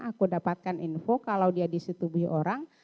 aku dapatkan info kalau dia disetubuhi orang